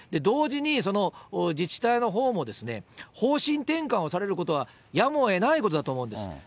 同時に、自治体のほうも、方針転換をされることはやむをえないことだと思うんです。